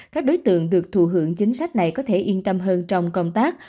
các đối tượng được thù hưởng chính sách này có thể yên tâm hơn trong công tác